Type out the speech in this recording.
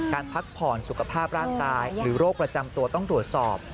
พักผ่อนสุขภาพร่างกายหรือโรคประจำตัวต้องตรวจสอบ